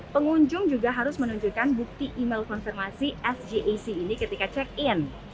pengunjung juga harus menunjukkan bukti email konfirmasi sgac ini ketika check in